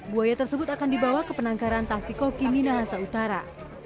buaya tersebut akan dibawa ke penangkaran tasikoki minahasa utara